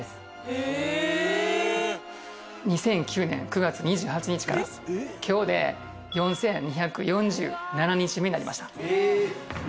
２００９年９月２８日から今日で４２４７日になりました。